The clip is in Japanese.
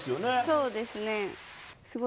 そうですね。